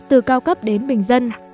từ cao cấp đến bình dân